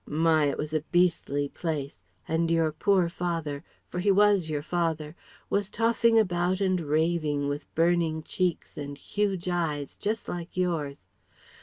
My! it was a beastly place and your poor father for he was your father was tossing about and raving, with burning cheeks and huge eyes, just like yours.